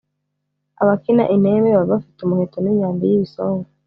abakina intembe baba bafite umuheto n’imyambi y’ibisongo